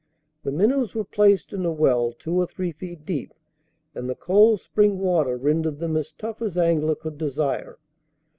The minnows were placed in a well two or three feet deep, and the cold spring water rendered them as tough as angler could desire.